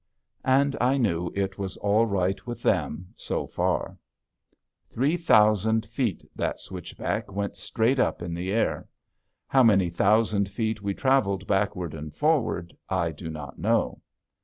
And I knew it was all right with them so far. Three thousand feet that switchback went straight up in the air. How many thousand feet we traveled back and forward, I do not know.